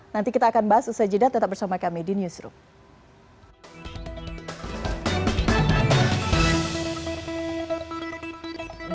nanti kita akan bahas usai jeda tetap bersama kami di newsroom